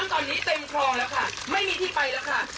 ตอนนี้เต็มคลองแล้วค่ะไม่มีที่ไปแล้วค่ะ